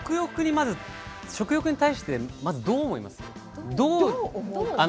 食欲に対してどう思いますか？